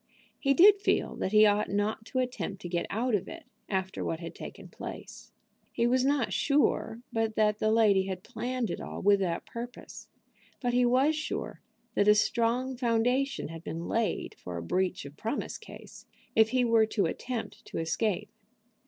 He did feel that he ought not to attempt to get out of it after what had taken place. He was not sure but that the lady had planned it all with that purpose; but he was sure that a strong foundation had been laid for a breach of promise case if he were to attempt to escape.